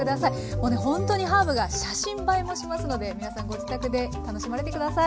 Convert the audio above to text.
もうねほんとにハーブが写真映えもしますので皆さんご自宅で楽しまれて下さい。